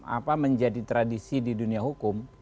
apa menjadi tradisi di dunia hukum